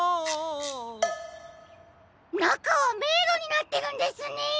なかはめいろになってるんですね！